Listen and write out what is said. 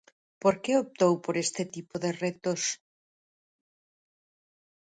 Por que optou por este tipo de retos?